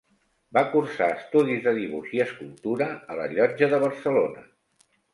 Va cursar estudis de dibuix i escultura a la Llotja de Barcelona.